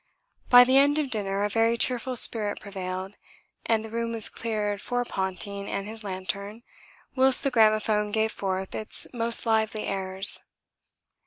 By the end of dinner a very cheerful spirit prevailed, and the room was cleared for Ponting and his lantern, whilst the gramophone gave forth its most lively airs.